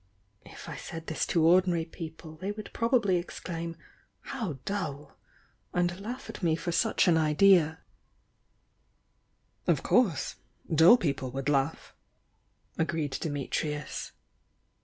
If I said this to ordinary people, they would probably exclaim 'How dull!' and laugh at me for such an idea " "Of course! — dull people would laugh," agreed Dimitrius.